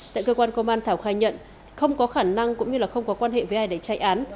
tại cơ quan công an thảo khai nhận không có khả năng cũng như không có quan hệ với ai để chạy án